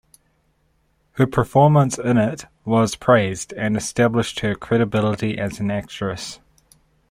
Her performance in it was praised and established her credibility as an actress.